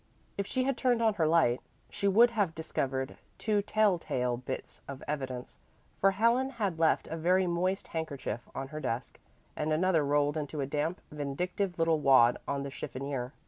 If she had turned on her light, she would have discovered two telltale bits of evidence, for Helen had left a very moist handkerchief on her desk and another rolled into a damp, vindictive little wad on the chiffonier.